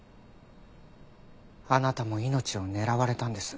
あなたも命を狙われたんです。